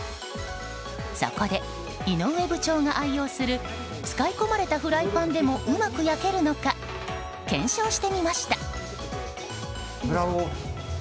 そこで、井上部長が愛用する使い込まれたフライパンでもうまく焼けるのか検証してみました。